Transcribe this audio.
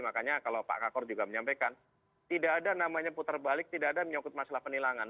makanya kalau pak kakor juga menyampaikan tidak ada namanya putar balik tidak ada menyangkut masalah penilangan